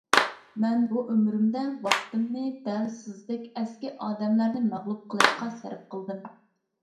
مەن بۇ ئۆمرۈمدە، ۋاقتىمنى دەل سىزدەك ئەسكى ئادەملەرنى مەغلۇپ قىلىشقا سەرپ قىلدىم.